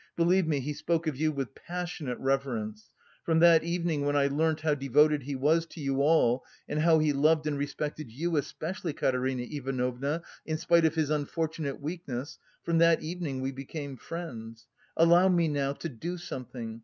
Believe me, he spoke of you with passionate reverence. From that evening, when I learnt how devoted he was to you all and how he loved and respected you especially, Katerina Ivanovna, in spite of his unfortunate weakness, from that evening we became friends.... Allow me now... to do something...